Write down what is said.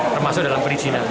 termasuk dalam perizinan